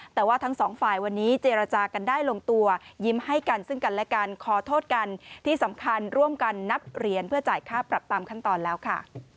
แต่ว่าทั้งสองฝ่ายวันนี้เจรจากันได้ลงตัวยิ้มให้กันซึ่งกันและกันขอโทษกันที่สำคัญร่วมกันนับเหรียญเพื่อจ่ายค่าปรับตามขั้นตอนแล้วค่ะ